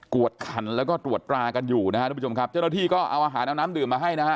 วดขันแล้วก็ตรวจตรากันอยู่นะฮะทุกผู้ชมครับเจ้าหน้าที่ก็เอาอาหารเอาน้ำดื่มมาให้นะฮะ